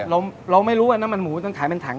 เราไม่รู้ว่าน้ำมันหมูต้องขายเป็นถัง